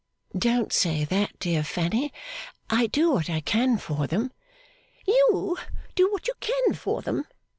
'Don't say that, dear Fanny. I do what I can for them.' 'You do what you can for them!